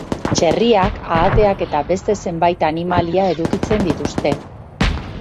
Txerriak, ahateak eta beste zenbait animalia edukitzen dituzte.